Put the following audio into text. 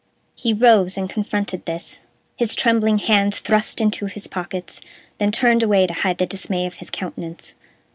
He rose, and confronted this, his trembling hands thrust into his pockets, then turned away to hide the dismay of his countenance.